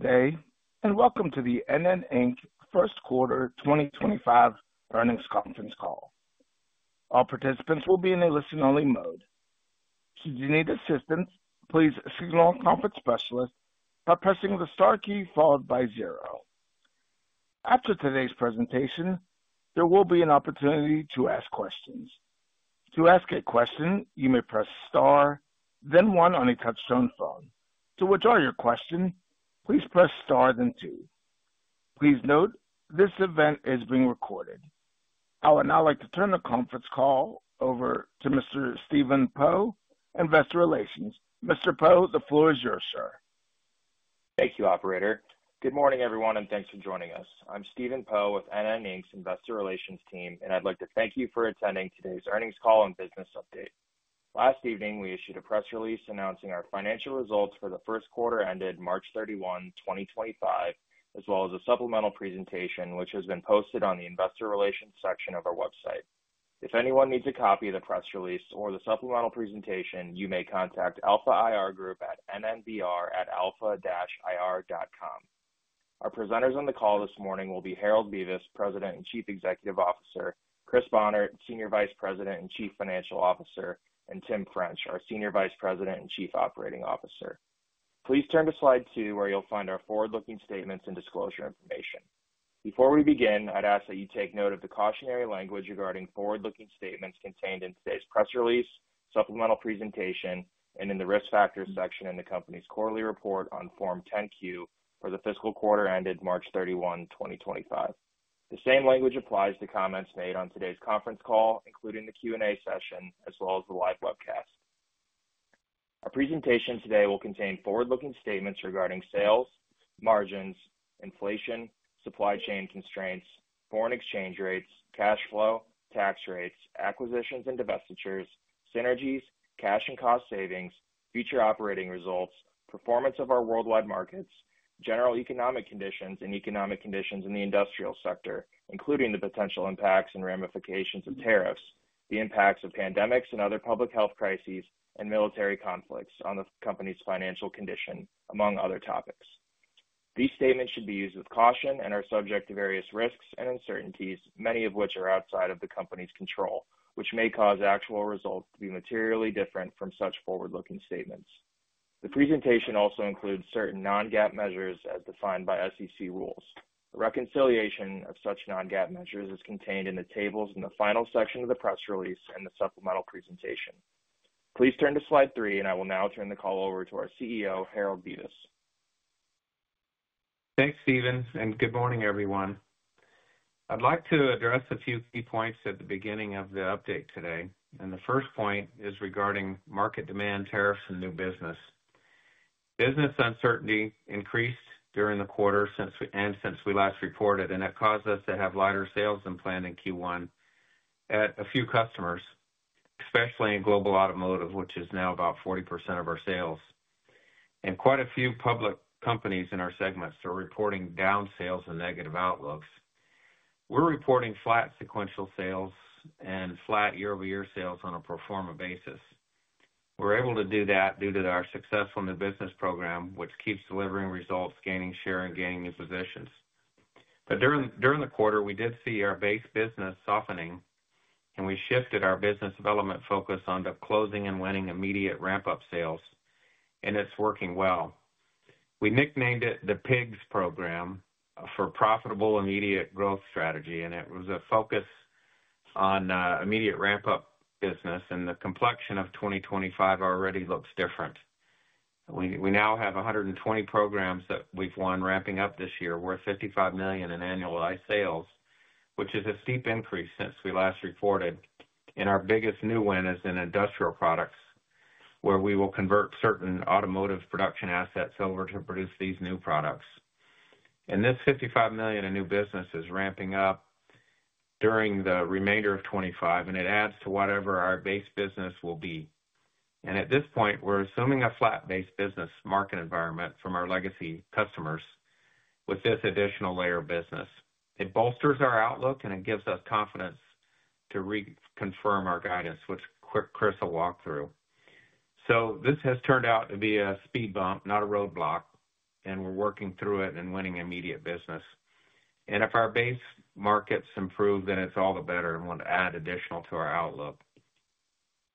[Today], and welcome to the NN, Inc. First Quarter 2025 Earnings Conference Call. All participants will be in a listen-only mode. Should you need assistance, please signal a conference specialist by pressing the star key followed by zero. After today's presentation, there will be an opportunity to ask questions. To ask a question, you may press star, then one on a touchstone phone. To withdraw your question, please press star, then two. Please note this event is being recorded. I would now like to turn the conference call over to Mr. Stephen Poe, Investor Relations. Mr. Poe, the floor is yours, sir. Thank you, Operator. Good morning, everyone, and thanks for joining us. I'm Stephen Poe with NN, Inc Investor Relations team, and I'd like to thank you for attending today's earnings call and business update. Last evening, we issued a press release announcing our financial results for the first quarter ended March 31, 2025, as well as a supplemental presentation, which has been posted on the Investor Relations section of our website. If anyone needs a copy of the press release or the supplemental presentation, you may contact Alpha IR Group at nnbr@alpha-ir.com. Our presenters on the call this morning will be Harold Bevis, President and Chief Executive Officer; Chris Bohnert, Senior Vice President and Chief Financial Officer; and Tim French, our Senior Vice President and Chief Operating Officer. Please turn to slide two, where you'll find our forward-looking statements and disclosure information. Before we begin, I'd ask that you take note of the cautionary language regarding forward-looking statements contained in today's press release, supplemental presentation, and in the risk factors section in the company's quarterly report on Form 10Q for the fiscal quarter ended March 31, 2025. The same language applies to comments made on today's conference call, including the Q&A session, as well as the live webcast. Our presentation today will contain forward-looking statements regarding sales, margins, inflation, supply chain constraints, foreign exchange rates, cash flow, tax rates, acquisitions and divestitures, synergies, cash and cost savings, future operating results, performance of our worldwide markets, general economic conditions and economic conditions in the industrial sector, including the potential impacts and ramifications of tariffs, the impacts of pandemics and other public health crises, and military conflicts on the company's financial condition, among other topics. These statements should be used with caution and are subject to various risks and uncertainties, many of which are outside of the company's control, which may cause actual results to be materially different from such forward-looking statements. The presentation also includes certain non-GAAP measures as defined by SEC rules. The reconciliation of such non-GAAP measures is contained in the tables in the final section of the press release and the supplemental presentation. Please turn to slide three, and I will now turn the call over to our CEO, Harold Bevis. Thanks, Stephen, and good morning, everyone. I'd like to address a few key points at the beginning of the update today. The first point is regarding market demand, tariffs, and new business. Business uncertainty increased during the quarter and since we last reported, and that caused us to have lighter sales than planned in Q1 at a few customers, especially in global automotive, which is now about 40% of our sales. Quite a few public companies in our segments are reporting down sales and negative outlooks. We're reporting flat sequential sales and flat year-over-year sales on a pro forma basis. We're able to do that due to our successful new business program, which keeps delivering results, gaining share, and gaining new positions. During the quarter, we did see our base business softening, and we shifted our business development focus onto closing and winning immediate ramp-up sales, and it's working well. We nicknamed it the PIGS program for Profitable Immediate Growth Strategy, and it was a focus on immediate ramp-up business, and the complexion of 2025 already looks different. We now have 120 programs that we've won ramping up this year, worth $55 million in annualized sales, which is a steep increase since we last reported. Our biggest new win is in industrial products, where we will convert certain automotive production assets over to produce these new products. This $55 million in new business is ramping up during the remainder of 2025, and it adds to whatever our base business will be. At this point, we're assuming a flat base business market environment from our legacy customers with this additional layer of business. It bolsters our outlook, and it gives us confidence to reconfirm our guidance, which Chris will walk through. This has turned out to be a speed bump, not a roadblock, and we're working through it and winning immediate business. If our base markets improve, then it's all the better and will add additional to our outlook.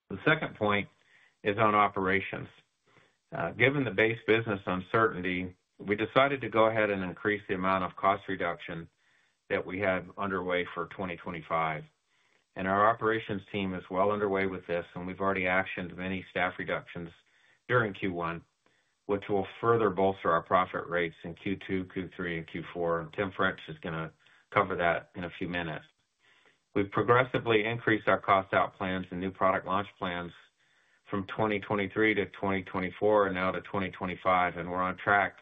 The second point is on operations. Given the base business uncertainty, we decided to go ahead and increase the amount of cost reduction that we have underway for 2025. Our operations team is well underway with this, and we've already actioned many staff reductions during Q1, which will further bolster our profit rates in Q2, Q3, and Q4. Tim French is going to cover that in a few minutes. We've progressively increased our cost-out plans and new product launch plans from 2023 to 2024 and now to 2025, and we're on track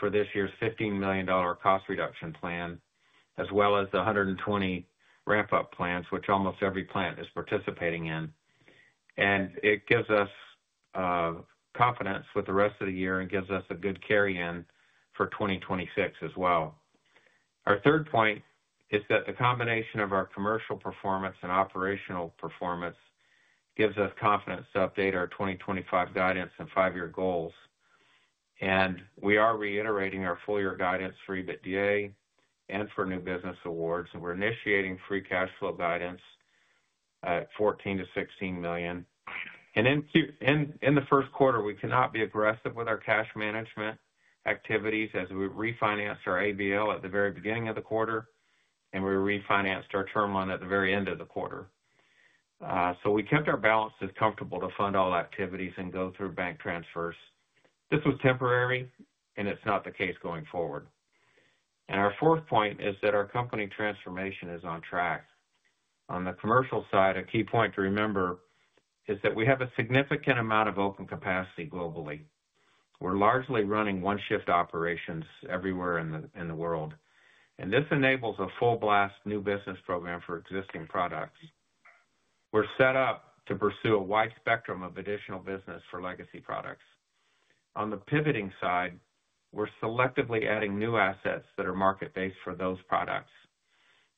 for this year's $15 million cost reduction plan, as well as the 120 ramp-up plans, which almost every plant is participating in. It gives us confidence with the rest of the year and gives us a good carry-in for 2026 as well. Our third point is that the combination of our commercial performance and operational performance gives us confidence to update our 2025 guidance and five-year goals. We are reiterating our full-year guidance for EBITDA and for new business awards, and we're initiating free cash flow guidance at $14-$16 million. In the first quarter, we cannot be aggressive with our cash management activities as we refinanced our ABL at the very beginning of the quarter, and we refinanced our term loan at the very end of the quarter. We kept our balances comfortable to fund all activities and go through bank transfers. This was temporary, and it's not the case going forward. Our fourth point is that our company transformation is on track. On the commercial side, a key point to remember is that we have a significant amount of open capacity globally. We're largely running one-shift operations everywhere in the world, and this enables a full-blast new business program for existing products. We're set up to pursue a wide spectrum of additional business for legacy products. On the pivoting side, we're selectively adding new assets that are market-based for those products.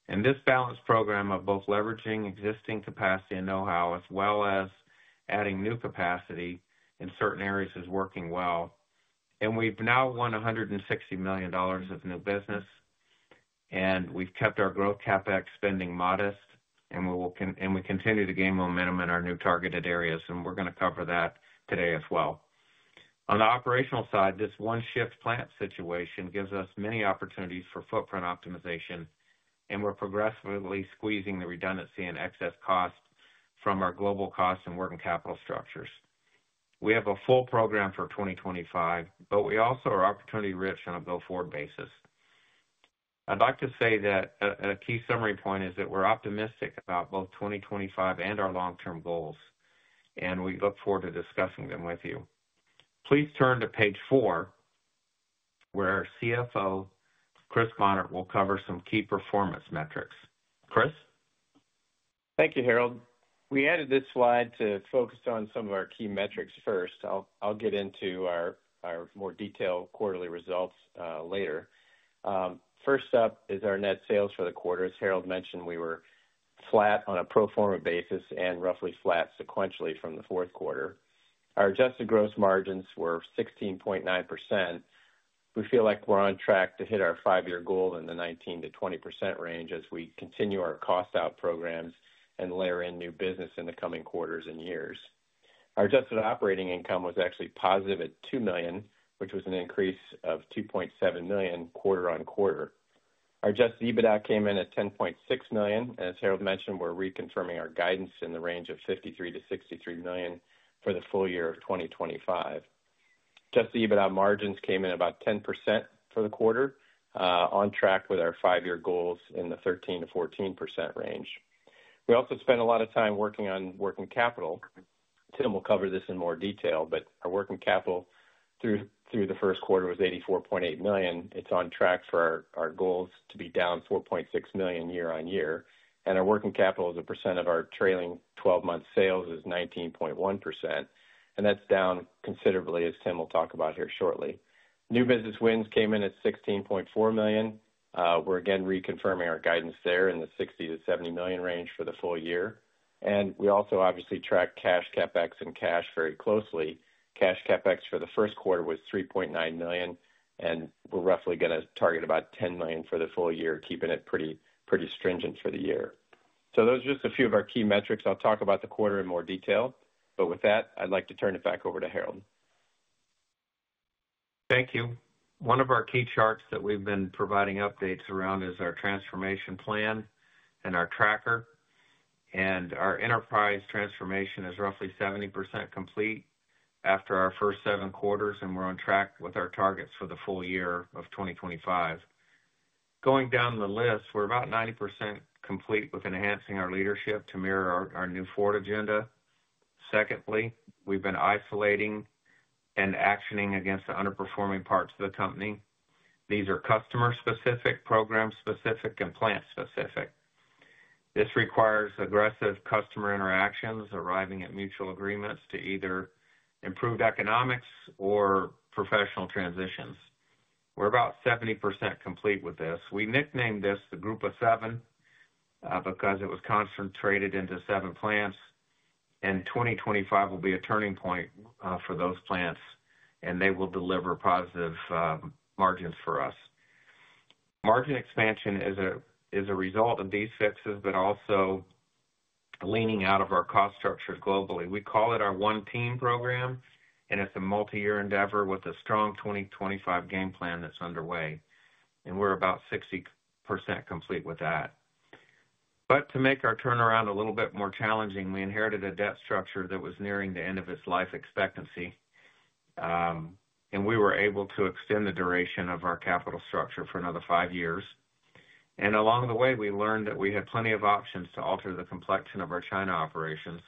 This balanced program of both leveraging existing capacity and know-how, as well as adding new capacity in certain areas, is working well. We have now won $160 million of new business, and we have kept our growth CapEx spending modest, and we continue to gain momentum in our new targeted areas, and we are going to cover that today as well. On the operational side, this one-shift plant situation gives us many opportunities for footprint optimization, and we are progressively squeezing the redundancy and excess cost from our global cost and working capital structures. We have a full program for 2025, but we also are opportunity-rich on a go-forward basis. I would like to say that a key summary point is that we are optimistic about both 2025 and our long-term goals, and we look forward to discussing them with you. Please turn to page four, where our CFO, Chris Bohnert, will cover some key performance metrics. Chris? Thank you, Harold. We added this slide to focus on some of our key metrics first. I'll get into our more detailed quarterly results later. First up is our net sales for the quarter. As Harold mentioned, we were flat on a pro forma basis and roughly flat sequentially from the fourth quarter. Our adjusted gross margins were 16.9%. We feel like we're on track to hit our five-year goal in the 19%-20% range as we continue our cost-out programs and layer in new business in the coming quarters and years. Our adjusted operating income was actually positive at $2 million, which was an increase of $2.7 million quarter on quarter. Our adjusted EBITDA came in at $10.6 million, and as Harold mentioned, we're reconfirming our guidance in the range of $53-$63 million for the full year of 2025. Adjusted EBITDA margins came in about 10% for the quarter, on track with our five-year goals in the 13%-14% range. We also spent a lot of time working on working capital. Tim will cover this in more detail, but our working capital through the first quarter was $84.8 million. It's on track for our goals to be down $4.6 million year-on-year. Our working capital as a percent of our trailing 12-month sales is 19.1%, and that's down considerably, as Tim will talk about here shortly. New business wins came in at $16.4 million. We're again reconfirming our guidance there in the $60-$70 million range for the full year. We also obviously track cash CapEx and cash very closely. Cash CapEx for the first quarter was $3.9 million, and we're roughly going to target about $10 million for the full year, keeping it pretty stringent for the year. Those are just a few of our key metrics. I'll talk about the quarter in more detail, but with that, I'd like to turn it back over to Harold. Thank you. One of our key charts that we've been providing updates around is our transformation plan and our tracker. Our enterprise transformation is roughly 70% complete after our first seven quarters, and we're on track with our targets for the full year of 2025. Going down the list, we're about 90% complete with enhancing our leadership to mirror our new Ford agenda. Secondly, we've been isolating and actioning against the underperforming parts of the company. These are customer-specific, program-specific, and plant-specific. This requires aggressive customer interactions, arriving at mutual agreements to either improved economics or professional transitions. We're about 70% complete with this. We nicknamed this the Group of Seven because it was concentrated into seven plants, and 2025 will be a turning point for those plants, and they will deliver positive margins for us. Margin expansion is a result of these fixes, but also leaning out of our cost structures globally. We call it our One Team program, and it's a multi-year endeavor with a strong 2025 game plan that's underway, and we're about 60% complete with that. To make our turnaround a little bit more challenging, we inherited a debt structure that was nearing the end of its life expectancy, and we were able to extend the duration of our capital structure for another five years. Along the way, we learned that we had plenty of options to alter the complexion of our China operations,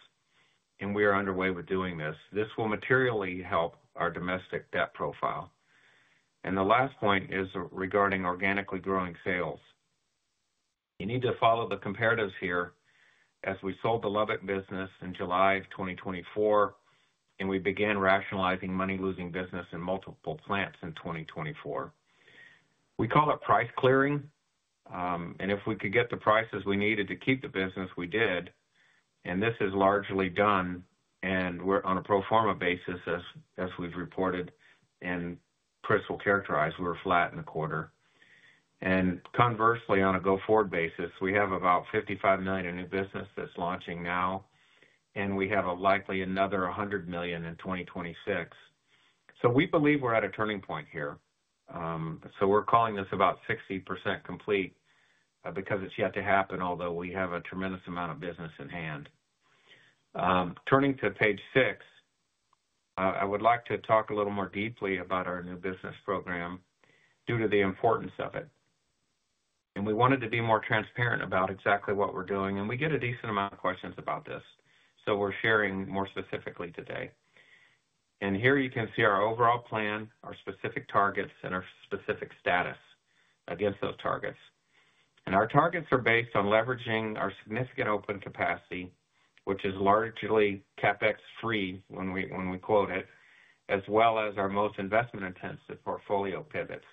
and we are underway with doing this. This will materially help our domestic debt profile. The last point is regarding organically growing sales. You need to follow the comparatives here as we sold the Lubbock business in July of 2024, and we began rationalizing money-losing business in multiple plants in 2024. We call it price clearing, and if we could get the prices we needed to keep the business, we did. This is largely done, and we're on a pro forma basis, as we've reported, and Chris will characterize we were flat in the quarter. Conversely, on a go-forward basis, we have about $55 million in new business that's launching now, and we have likely another $100 million in 2026. We believe we're at a turning point here. We're calling this about 60% complete because it's yet to happen, although we have a tremendous amount of business in hand. Turning to page six, I would like to talk a little more deeply about our new business program due to the importance of it. We wanted to be more transparent about exactly what we're doing, and we get a decent amount of questions about this, so we're sharing more specifically today. Here you can see our overall plan, our specific targets, and our specific status against those targets. Our targets are based on leveraging our significant open capacity, which is largely CapEx-free when we quote it, as well as our most investment-intensive portfolio pivots.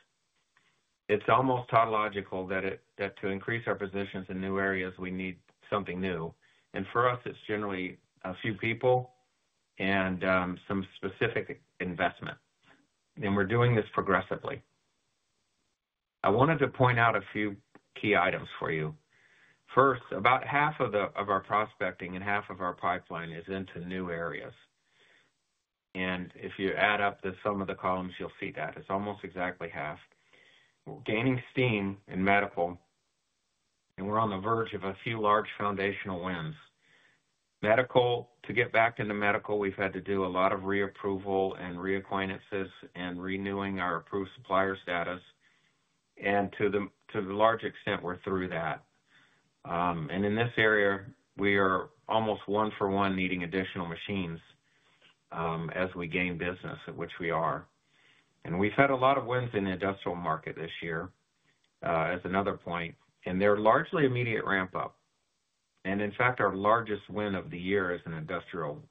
It's almost tautological that to increase our positions in new areas, we need something new. For us, it's generally a few people and some specific investment. We're doing this progressively. I wanted to point out a few key items for you. First, about half of our prospecting and half of our pipeline is into new areas. If you add up the sum of the columns, you'll see that. It's almost exactly half. We're gaining steam in medical, and we're on the verge of a few large foundational wins. Medical, to get back into medical, we've had to do a lot of reapproval and reacquaintances and renewing our approved supplier status. To a large extent, we're through that. In this area, we are almost one-for-one needing additional machines as we gain business, at which we are. We've had a lot of wins in the industrial market this year, as another point. They're largely immediate ramp-up. In fact, our largest win of the year is an industrial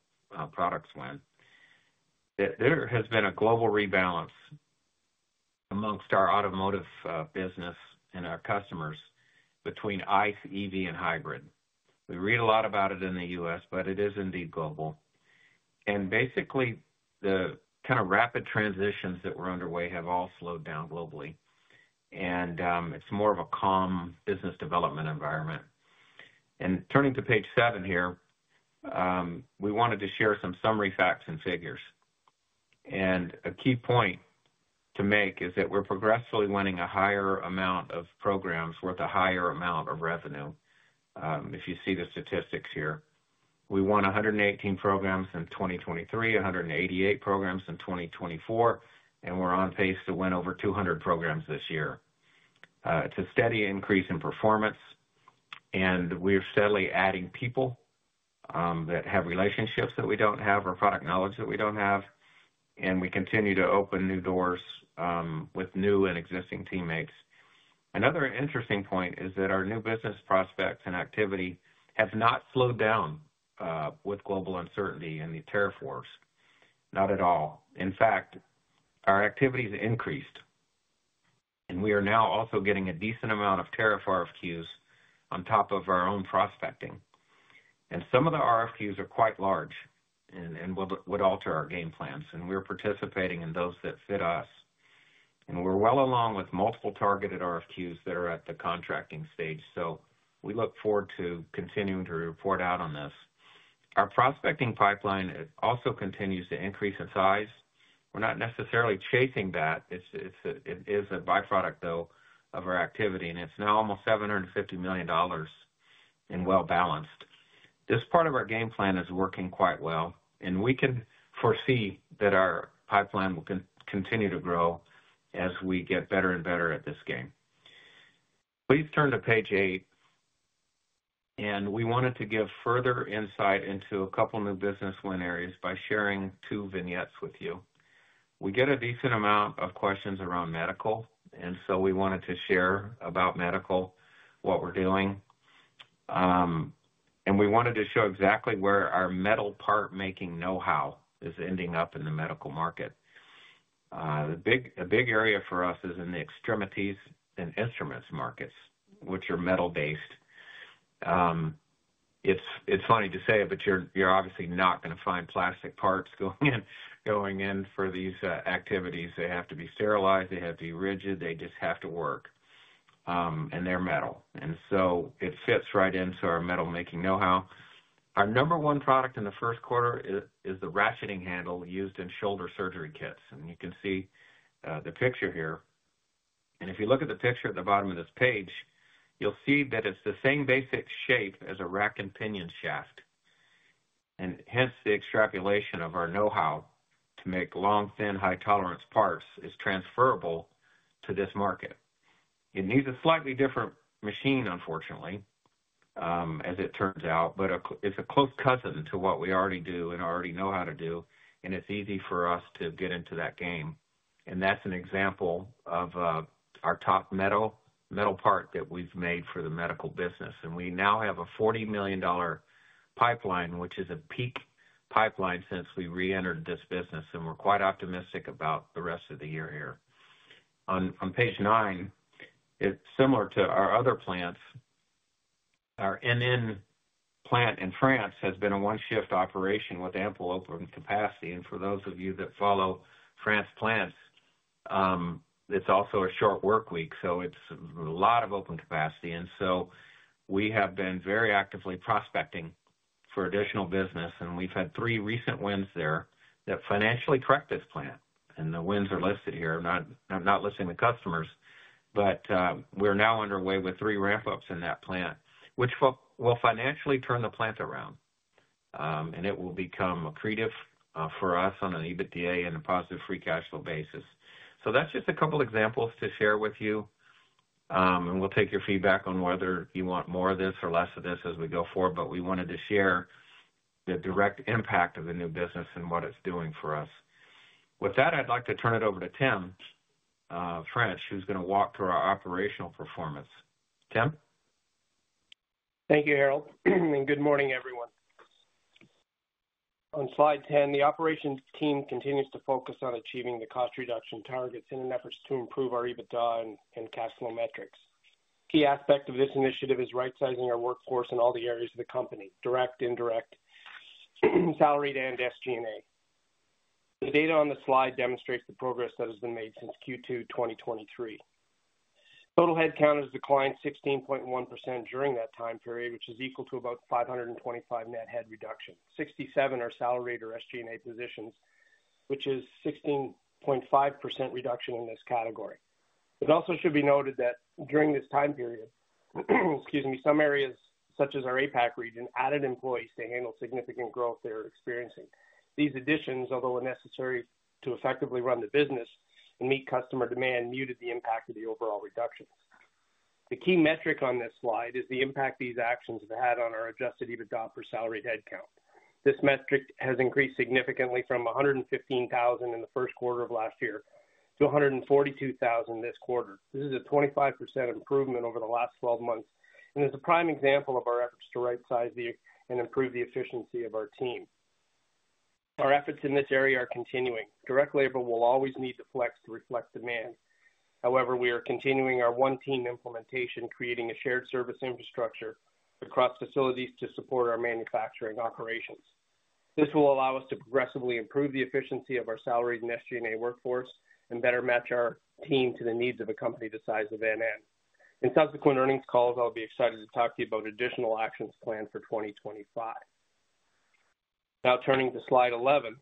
products win. There has been a global rebalance amongst our automotive business and our customers between ICE, EV, and hybrid. We read a lot about it in the U.S., but it is indeed global. Basically, the kind of rapid transitions that we're underway have all slowed down globally, and it's more of a calm business development environment. Turning to page seven here, we wanted to share some summary facts and figures. A key point to make is that we're progressively winning a higher amount of programs with a higher amount of revenue. If you see the statistics here, we won 118 programs in 2023, 188 programs in 2024, and we're on pace to win over 200 programs this year. It's a steady increase in performance, and we're steadily adding people that have relationships that we don't have or product knowledge that we don't have, and we continue to open new doors with new and existing teammates. Another interesting point is that our new business prospects and activity have not slowed down with global uncertainty and the tariff wars. Not at all. In fact, our activity has increased, and we are now also getting a decent amount of tariff RFQs on top of our own prospecting. Some of the RFQs are quite large and would alter our game plans, and we're participating in those that fit us. We're well along with multiple targeted RFQs that are at the contracting stage, so we look forward to continuing to report out on this. Our prospecting pipeline also continues to increase in size. We're not necessarily chasing that. It is a byproduct, though, of our activity, and it's now almost $750 million and well-balanced. This part of our game plan is working quite well, and we can foresee that our pipeline will continue to grow as we get better and better at this game. Please turn to page eight, and we wanted to give further insight into a couple of new business win areas by sharing two vignettes with you. We get a decent amount of questions around medical, and we wanted to share about medical, what we're doing. We wanted to show exactly where our metal part-making know-how is ending up in the medical market. A big area for us is in the extremities and instruments markets, which are metal-based. It's funny to say it, but you're obviously not going to find plastic parts going in for these activities. They have to be sterilized. They have to be rigid. They just have to work, and they're metal. It fits right into our metal-making know-how. Our number one product in the first quarter is the ratcheting handle used in shoulder surgery kits, and you can see the picture here. If you look at the picture at the bottom of this page, you'll see that it's the same basic shape as a rack and pinion shaft. Hence, the extrapolation of our know-how to make long, thin, high-tolerance parts is transferable to this market. It needs a slightly different machine, unfortunately, as it turns out, but it's a close cousin to what we already do and already know how to do, and it's easy for us to get into that game. That's an example of our top metal part that we've made for the medical business. We now have a $40 million pipeline, which is a peak pipeline since we re-entered this business, and we're quite optimistic about the rest of the year here. On page nine, similar to our other plants, our NN plant in France has been a one-shift operation with ample open capacity. For those of you that follow France plants, it's also a short work week, so it's a lot of open capacity. We have been very actively prospecting for additional business, and we've had three recent wins there that financially correct this plant. The wins are listed here. I'm not listing the customers, but we're now underway with three ramp-ups in that plant, which will financially turn the plant around, and it will become accretive for us on an EBITDA and a positive free cash flow basis. That's just a couple of examples to share with you, and we'll take your feedback on whether you want more of this or less of this as we go forward, but we wanted to share the direct impact of the new business and what it's doing for us. With that, I'd like to turn it over to Tim French, who's going to walk through our operational performance. Tim? Thank you, Harold. Good morning, everyone. On slide 10, the operations team continues to focus on achieving the cost reduction targets in an effort to improve our EBITDA and cash flow metrics. A key aspect of this initiative is right-sizing our workforce in all the areas of the company: direct, indirect, salaried, and SG&A. The data on the slide demonstrates the progress that has been made since Q2 2023. Total headcount has declined 16.1% during that time period, which is equal to about 525 net head reductions. Sixty-seven are salaried or SG&A positions, which is a 16.5% reduction in this category. It also should be noted that during this time period, excuse me, some areas, such as our APAC region, added employees to handle significant growth they were experiencing. These additions, although necessary to effectively run the business and meet customer demand, muted the impact of the overall reductions. The key metric on this slide is the impact these actions have had on our adjusted EBITDA per salaried headcount. This metric has increased significantly from $115,000 in the first quarter of last year to $142,000 this quarter. This is a 25% improvement over the last 12 months, and it's a prime example of our efforts to right-size and improve the efficiency of our team. Our efforts in this area are continuing. Direct labor will always need to flex to reflect demand. However, we are continuing our One Team implementation, creating a shared service infrastructure across facilities to support our manufacturing operations. This will allow us to progressively improve the efficiency of our salaried and SG&A workforce and better match our team to the needs of a company the size of NN. In subsequent earnings calls, I'll be excited to talk to you about additional actions planned for 2025. Now, turning to slide 11,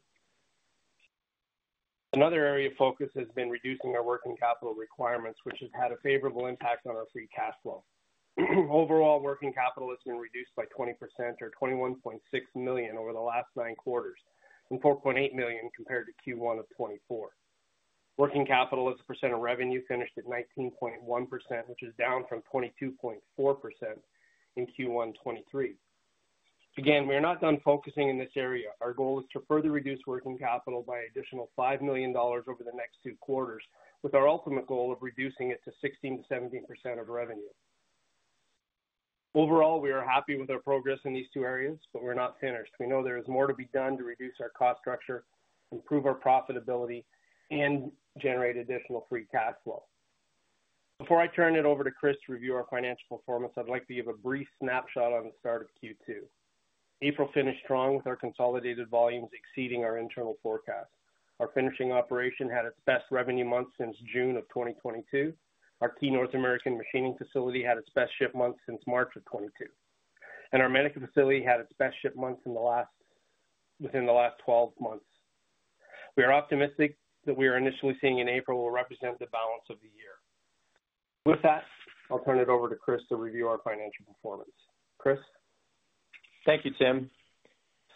another area of focus has been reducing our working capital requirements, which has had a favorable impact on our free cash flow. Overall, working capital has been reduced by 20%, or $21.6 million, over the last nine quarters, and $4.8 million compared to Q1 of 2024. Working capital as a percent of revenue finished at 19.1%, which is down from 22.4% in Q1 2023. Again, we are not done focusing in this area. Our goal is to further reduce working capital by an additional $5 million over the next two quarters, with our ultimate goal of reducing it to 16%-17% of revenue. Overall, we are happy with our progress in these two areas, but we're not finished. We know there is more to be done to reduce our cost structure, improve our profitability, and generate additional free cash flow. Before I turn it over to Chris to review our financial performance, I'd like to give a brief snapshot on the start of Q2. April finished strong with our consolidated volumes exceeding our internal forecast. Our finishing operation had its best revenue month since June of 2022. Our key North American machining facility had its best ship month since March of 2022. Our medical facility had its best ship month within the last 12 months. We are optimistic that what we are initially seeing in April will represent the balance of the year. With that, I'll turn it over to Chris to review our financial performance. Chris? Thank you, Tim.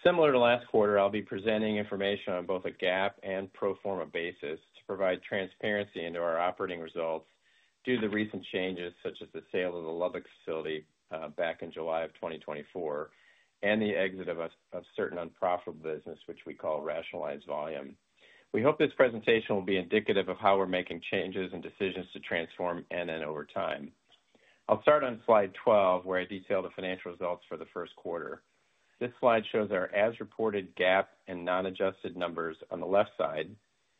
Similar to last quarter, I'll be presenting information on both a GAAP and pro forma basis to provide transparency into our operating results due to the recent changes, such as the sale of the Lubbock facility back in July of 2024 and the exit of a certain unprofitable business, which we call rationalized volume. We hope this presentation will be indicative of how we're making changes and decisions to transform NN over time. I'll start on slide 12, where I detail the financial results for the first quarter. This slide shows our as-reported GAAP and non-adjusted numbers on the left side.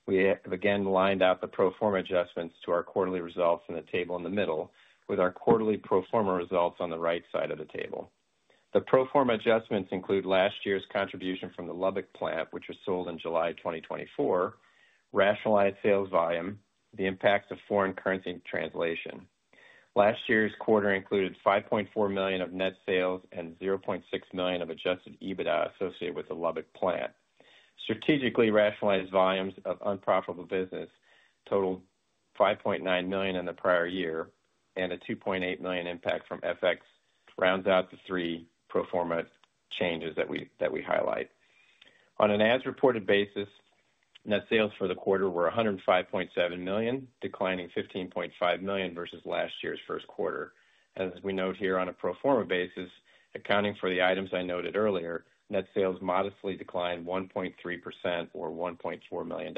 We have again lined out the pro forma adjustments to our quarterly results in the table in the middle, with our quarterly pro forma results on the right side of the table. The pro forma adjustments include last year's contribution from the Lubbock plant, which was sold in July 2024, rationalized sales volume, the impact of foreign currency translation. Last year's quarter included $5.4 million of net sales and $0.6 million of adjusted EBITDA associated with the Lubbock plant. Strategically, rationalized volumes of unprofitable business totaled $5.9 million in the prior year, and a $2.8 million impact from FX rounds out the three pro forma changes that we highlight. On an as-reported basis, net sales for the quarter were $105.7 million, declining $15.5 million versus last year's first quarter. As we note here, on a pro forma basis, accounting for the items I noted earlier, net sales modestly declined 1.3%, or $1.4 million.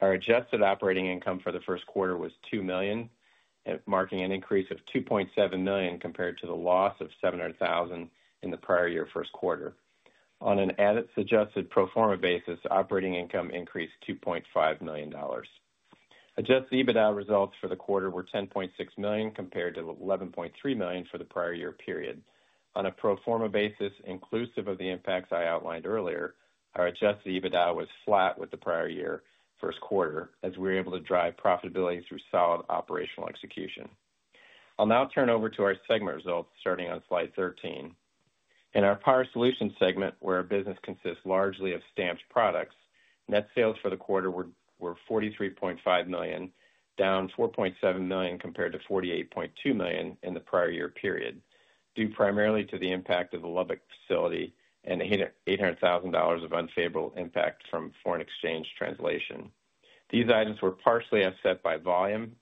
Our adjusted operating income for the first quarter was $2 million, marking an increase of $2.7 million compared to the loss of $700,000 in the prior year first quarter. On an adjusted pro forma basis, operating income increased $2.5 million. Adjusted EBITDA results for the quarter were $10.6 million compared to $11.3 million for the prior year period. On a pro forma basis, inclusive of the impacts I outlined earlier, our adjusted EBITDA was flat with the prior year first quarter, as we were able to drive profitability through solid operational execution. I'll now turn over to our segment results, starting on slide 13. In our power solution segment, where our business consists largely of stamped products, net sales for the quarter were $43.5 million, down $4.7 million compared to $48.2 million in the prior year period, due primarily to the impact of the Lubbock facility and $800,000 of unfavorable impact from foreign exchange translation. These items were partially offset by volume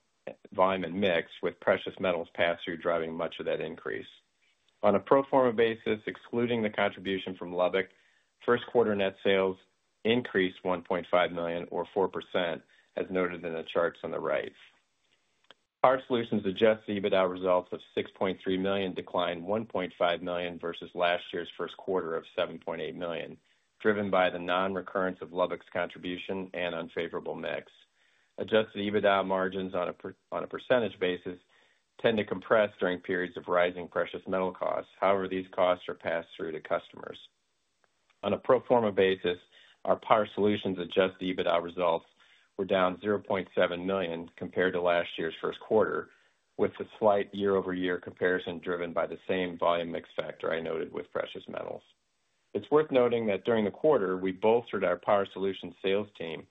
and mix, with precious metals pass-through driving much of that increase. On a pro forma basis, excluding the contribution from Lubbock, first quarter net sales increased $1.5 million, or 4%, as noted in the charts on the right. Power solutions' adjusted EBITDA results of $6.3 million declined $1.5 million versus last year's first quarter of $7.8 million, driven by the non-recurrence of Lubbock's contribution and unfavorable mix. Adjusted EBITDA margins on a percentage basis tend to compress during periods of rising precious metal costs. However, these costs are passed through to customers. On a pro forma basis, our power solutions' adjusted EBITDA results were down $0.7 million compared to last year's first quarter, with the slight year-over-year comparison driven by the same volume mix factor I noted with precious metals. It's worth noting that during the quarter, we bolstered our power solution sales team,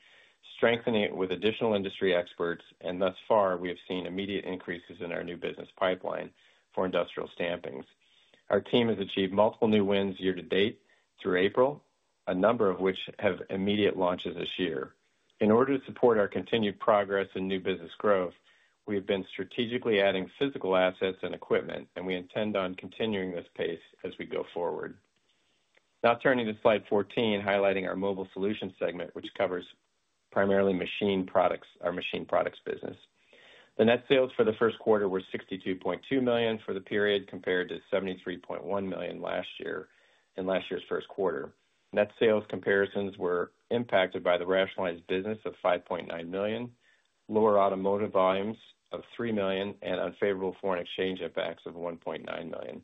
strengthening it with additional industry experts, and thus far, we have seen immediate increases in our new business pipeline for industrial stampings. Our team has achieved multiple new wins year to date through April, a number of which have immediate launches this year. In order to support our continued progress and new business growth, we have been strategically adding physical assets and equipment, and we intend on continuing this pace as we go forward. Now, turning to slide 14, highlighting our mobile solution segment, which covers primarily machine products, our machine products business. The net sales for the first quarter were $62.2 million for the period, compared to $73.1 million last year in last year's first quarter. Net sales comparisons were impacted by the rationalized business of $5.9 million, lower automotive volumes of $3 million, and unfavorable foreign exchange impacts of $1.9 million.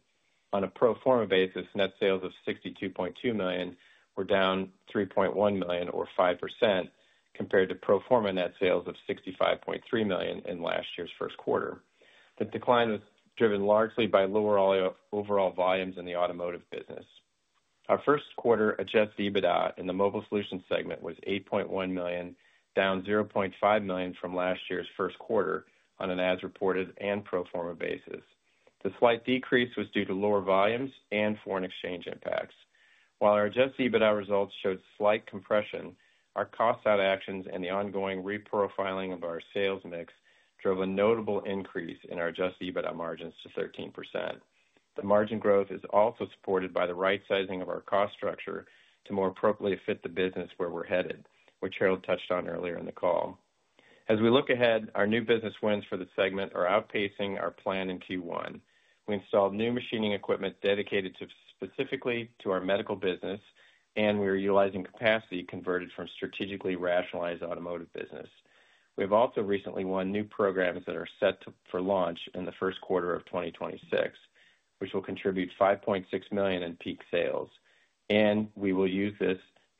On a pro forma basis, net sales of $62.2 million were down $3.1 million, or 5%, compared to pro forma net sales of $65.3 million in last year's first quarter. The decline was driven largely by lower overall volumes in the automotive business. Our first quarter adjusted EBITDA in the mobile solution segment was $8.1 million, down $0.5 million from last year's first quarter on an as-reported and pro forma basis. The slight decrease was due to lower volumes and foreign exchange impacts. While our adjusted EBITDA results showed slight compression, our cost-out actions and the ongoing reprofiling of our sales mix drove a notable increase in our adjusted EBITDA margins to 13%. The margin growth is also supported by the right-sizing of our cost structure to more appropriately fit the business where we're headed, which Harold touched on earlier in the call. As we look ahead, our new business wins for the segment are outpacing our plan in Q1. We installed new machining equipment dedicated specifically to our medical business, and we are utilizing capacity converted from strategically rationalized automotive business. We have also recently won new programs that are set for launch in the first quarter of 2026, which will contribute $5.6 million in peak sales. We will use this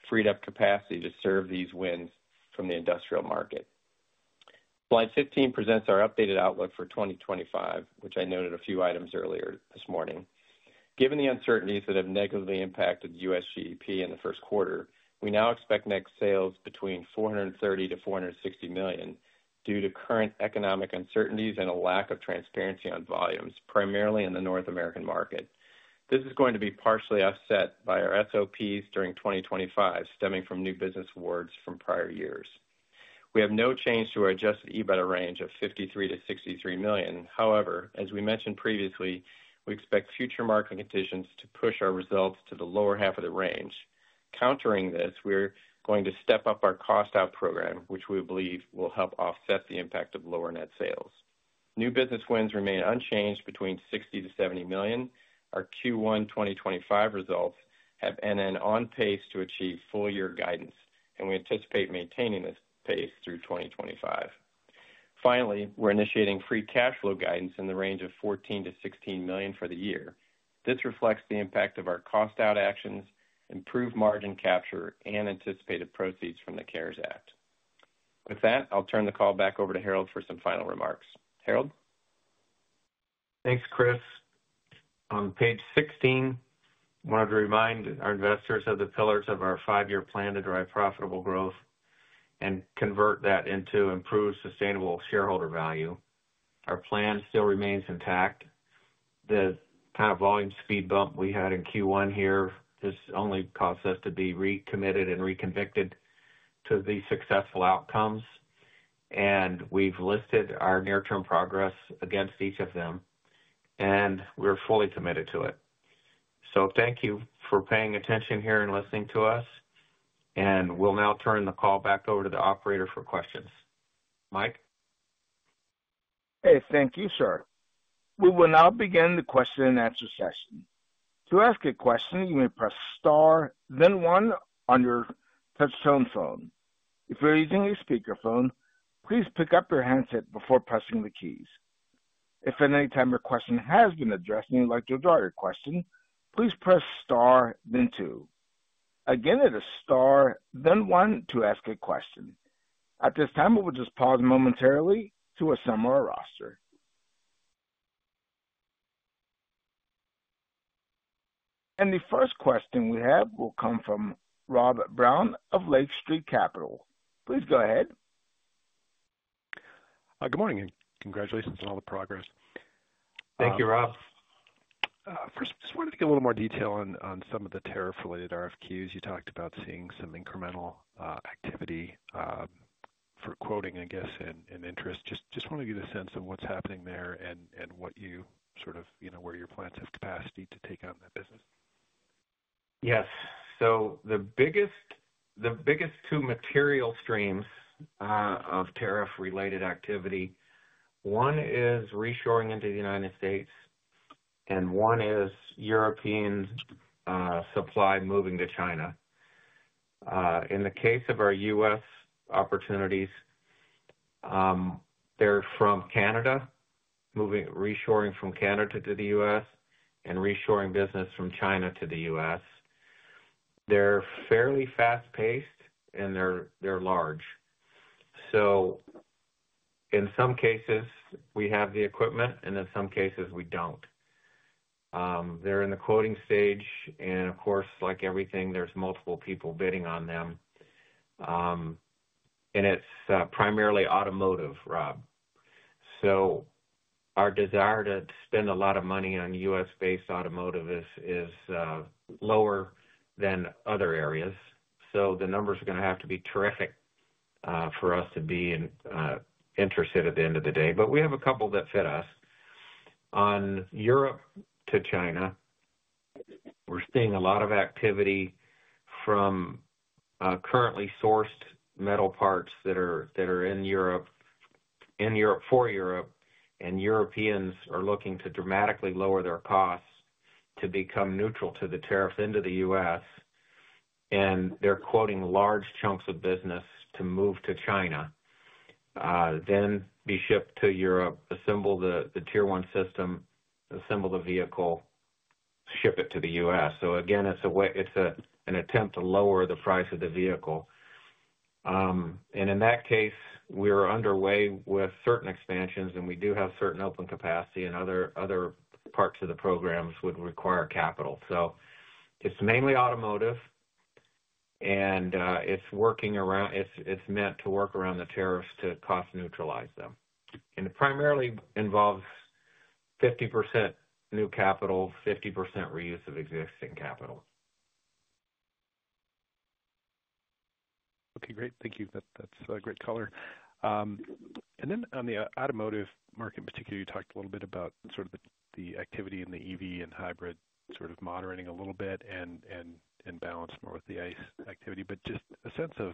freed-up capacity to serve these wins from the industrial market. Slide 15 presents our updated outlook for 2025, which I noted a few items earlier this morning. Given the uncertainties that have negatively impacted U.S. GDP in the first quarter, we now expect net sales between $430 million-$460 million due to current economic uncertainties and a lack of transparency on volumes, primarily in the North American market. This is going to be partially offset by our SOPs during 2025, stemming from new business awards from prior years. We have no change to our adjusted EBITDA range of $53 million-$63 million. However, as we mentioned previously, we expect future market conditions to push our results to the lower half of the range. Countering this, we're going to step up our cost-out program, which we believe will help offset the impact of lower net sales. New business wins remain unchanged between $60 million-$70 million. Our Q1 2025 results have NN on pace to achieve full-year guidance, and we anticipate maintaining this pace through 2025. Finally, we're initiating free cash flow guidance in the range of $14 million-$16 million for the year. This reflects the impact of our cost-out actions, improved margin capture, and anticipated proceeds from the CARES Act. With that, I'll turn the call back over to Harold for some final remarks. Harold? Thanks, Chris. On page 16, I wanted to remind our investors of the pillars of our five-year plan to drive profitable growth and convert that into improved sustainable shareholder value. Our plan still remains intact. The kind of volume speed bump we had in Q1 here just only caused us to be recommitted and reconvicted to the successful outcomes. We have listed our near-term progress against each of them, and we are fully committed to it. Thank you for paying attention here and listening to us. We will now turn the call back over to the operator for questions. Mike? Hey, thank you, sir. We will now begin the question-and-answer session. To ask a question, you may press star, then one on your touch-tone phone. If you're using a speakerphone, please pick up your handset before pressing the keys. If at any time your question has been addressed and you'd like to withdraw your question, please press star, then two. Again, it is star, then one to ask a question. At this time, we will just pause momentarily to assemble our roster. The first question we have will come from Rob Brown of Lake Street Capital. Please go ahead. Good morning and congratulations on all the progress. Thank you, Rob. First, I just wanted to get a little more detail on some of the tariff-related RFQs. You talked about seeing some incremental activity for quoting, I guess, and interest. Just want to get a sense of what's happening there and where your plants have capacity to take on that business. Yes. The biggest two material streams of tariff-related activity, one is reshoring into the United States, and one is European supply moving to China. In the case of our U.S. opportunities, they're from Canada, reshoring from Canada to the U.S., and reshoring business from China to the U.S. They're fairly fast-paced, and they're large. In some cases, we have the equipment, and in some cases, we don't. They're in the quoting stage. Of course, like everything, there's multiple people bidding on them. It's primarily automotive, Rob. Our desire to spend a lot of money on U.S.-based automotive is lower than other areas. The numbers are going to have to be terrific for us to be interested at the end of the day. We have a couple that fit us. On Europe to China, we're seeing a lot of activity from currently sourced metal parts that are in Europe for Europe. Europeans are looking to dramatically lower their costs to become neutral to the tariffs into the U.S. They're quoting large chunks of business to move to China, then be shipped to Europe, assemble the tier-one system, assemble the vehicle, ship it to the U.S. It is an attempt to lower the price of the vehicle. In that case, we are underway with certain expansions, and we do have certain open capacity. Other parts of the programs would require capital. It is mainly automotive, and it is meant to work around the tariffs to cost-neutralize them. It primarily involves 50% new capital, 50% reuse of existing capital. Okay. Great. Thank you. That is great color. Then on the automotive market in particular, you talked a little bit about sort of the activity in the EV and hybrid sort of moderating a little bit and balanced more with the ICE activity. Just a sense of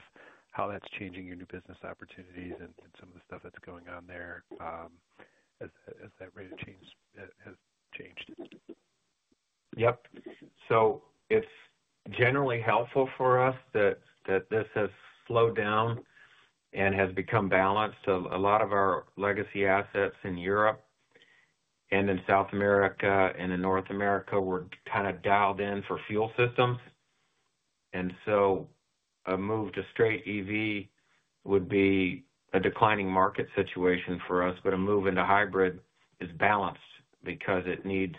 how that is changing your new business opportunities and some of the stuff that is going on there as that rate of change has changed. Yep. It is generally helpful for us that this has slowed down and has become balanced. A lot of our legacy assets in Europe and in South America and in North America were kind of dialed in for fuel systems. A move to straight EV would be a declining market situation for us. A move into hybrid is balanced because it needs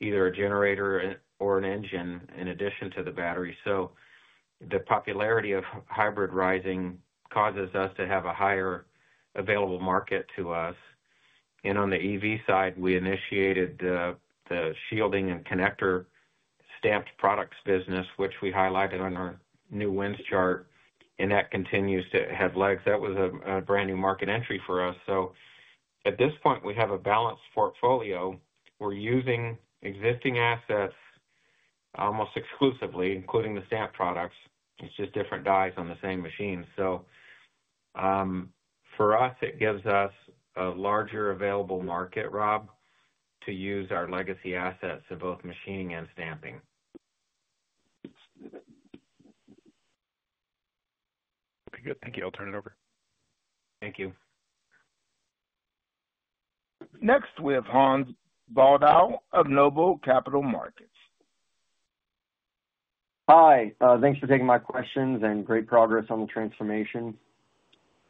either a generator or an engine in addition to the battery. The popularity of hybrid rising causes us to have a higher available market to us. On the EV side, we initiated the shielding and connector stamped products business, which we highlighted on our new wins chart. That continues to have legs. That was a brand new market entry for us. At this point, we have a balanced portfolio. We are using existing assets almost exclusively, including the stamped products. It's just different dies on the same machine. For us, it gives us a larger available market, Rob, to use our legacy assets in both machining and stamping. Okay. Good. Thank you. I'll turn it over. Thank you. Next, we have Hans Baldau of NOBLE Capital Markets. Hi. Thanks for taking my questions and great progress on the transformation.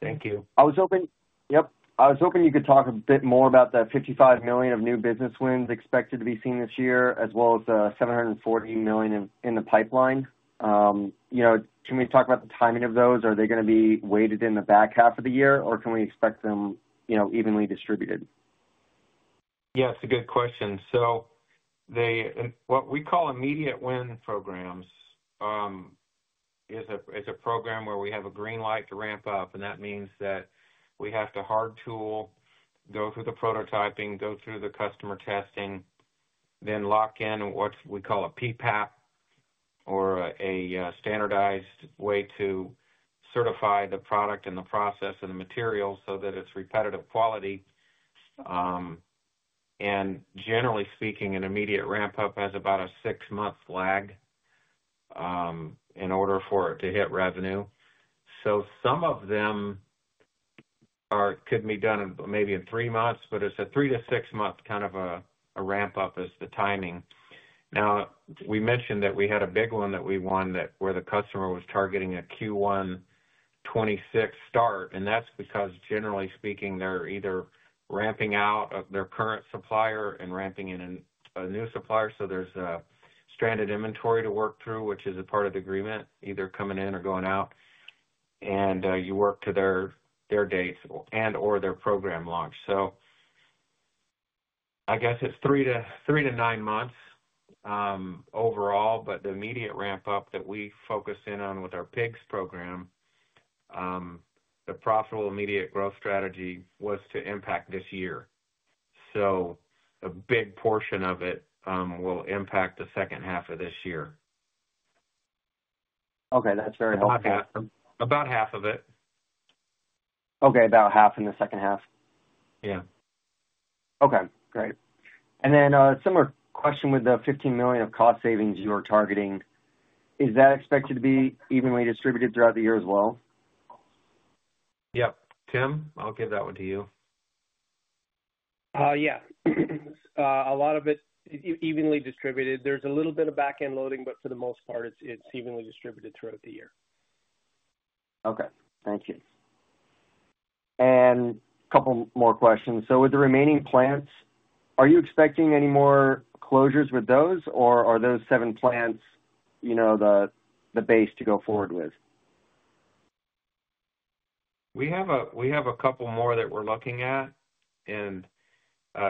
Thank you. I was hoping you could talk a bit more about the $55 million of new business wins expected to be seen this year, as well as the $740 million in the pipeline. Can we talk about the timing of those? Are they going to be weighted in the back half of the year, or can we expect them evenly distributed? Yeah. It's a good question. What we call immediate win programs is a program where we have a green light to ramp up. That means that we have to hard tool, go through the prototyping, go through the customer testing, then lock in what we call a PPAP or a standardized way to certify the product and the process and the materials so that it's repetitive quality. Generally speaking, an immediate ramp-up has about a six-month lag in order for it to hit revenue. Some of them could be done maybe in three months, but it's a three- to six-month kind of a ramp-up is the timing. Now, we mentioned that we had a big one that we won where the customer was targeting a Q1 2026 start. That is because, generally speaking, they are either ramping out of their current supplier and ramping in a new supplier. There is a stranded inventory to work through, which is a part of the agreement, either coming in or going out. You work to their dates and/or their program launch. I guess it is three to nine months overall. The immediate ramp-up that we focus in on with our PIGS program, the profitable immediate growth strategy, was to impact this year. A big portion of it will impact the second half of this year. Okay. That's very helpful. About half of it. Okay. About half in the second half. Yeah. Okay. Great. A similar question with the $15 million of cost savings you are targeting. Is that expected to be evenly distributed throughout the year as well? Yep. Tim, I'll give that one to you. Yeah. A lot of it evenly distributed. There's a little bit of back-end loading, but for the most part, it's evenly distributed throughout the year. Okay. Thank you. A couple more questions. With the remaining plants, are you expecting any more closures with those, or are those seven plants the base to go forward with? We have a couple more that we're looking at and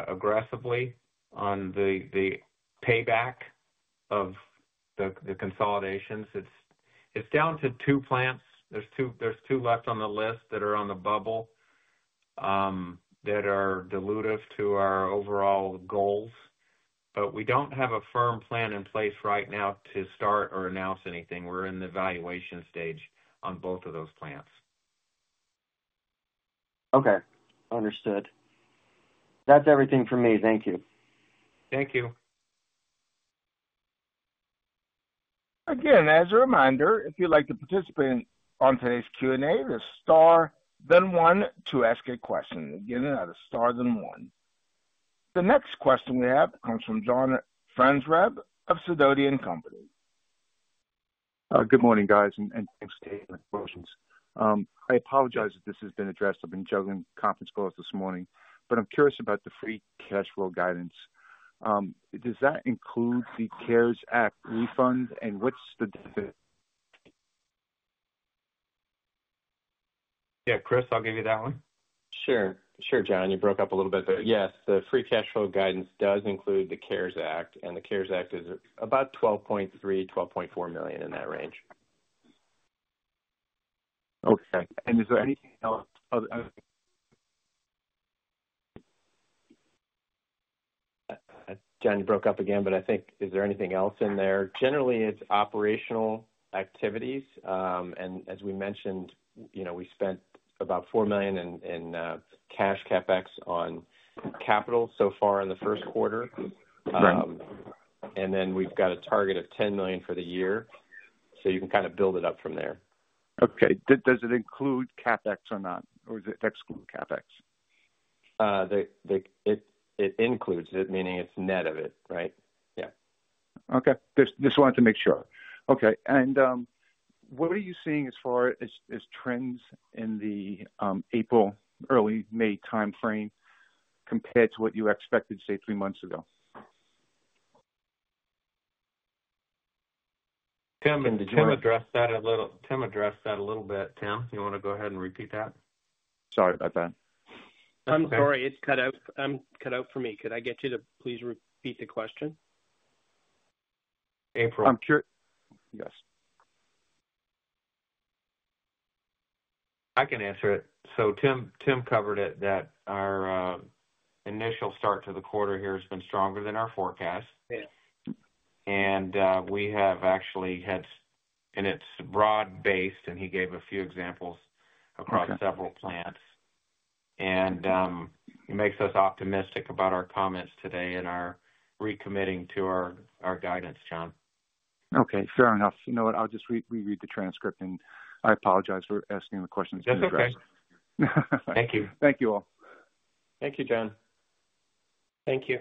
aggressively on the payback of the consolidations. It's down to two plants. There are two left on the list that are on the bubble that are dilutive to our overall goals. We don't have a firm plan in place right now to start or announce anything. We're in the evaluation stage on both of those plants. Okay. Understood. That's everything for me. Thank you. Thank you. Again, as a reminder, if you'd like to participate on today's Q&A, press star then one to ask a question. Again, star then one. The next question we have comes from John Franzreb of Sidoti & Company. Good morning, guys. Thanks for taking the questions. I apologize if this has been addressed. I've been juggling conference calls this morning. I'm curious about the free cash flow guidance. Does that include the CARES Act refund, and what's the. Yeah. Chris, I'll give you that one. Sure. Sure, John. You broke up a little bit. Yes, the free cash flow guidance does include the CARES Act. The CARES Act is about $12.3-$12.4 million in that range. Okay. Is there anything else? John, you broke up again. I think, is there anything else in there? Generally, it's operational activities. As we mentioned, we spent about $4 million in cash CapEx on capital so far in the first quarter. We have a target of $10 million for the year. You can kind of build it up from there. Okay. Does it include CapEx or not? Or does it exclude CapEx? It includes it, meaning it's net of it, right? Yeah. Okay. Just wanted to make sure. Okay. What are you seeing as far as trends in the April, early May timeframe compared to what you expected, say, three months ago? Tim, did you want to address that a little? Tim addressed that a little bit. Tim, you want to go ahead and repeat that? Sorry about that. I'm sorry. It cut out for me. Could I get you to please repeat the question? Yes. I can answer it. Tim covered it, that our initial start to the quarter here has been stronger than our forecast. We have actually had—and it is broad-based, and he gave a few examples across several plants. It makes us optimistic about our comments today and our recommitting to our guidance, John. Okay. Fair enough. You know what? I'll just reread the transcript. And I apologize for asking the questions too aggressively. That's okay. Thank you. Thank you all. Thank you, John. Thank you.